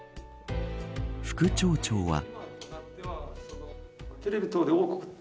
副町長は。